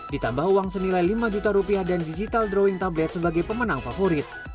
ditambah uang senilai lima juta rupiah dan digital drawing tablet sebagai pemenang favorit